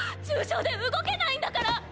重傷で動けないんだから！！